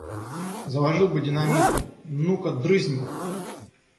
Заложил бы динамиту – ну-ка, дрызнь!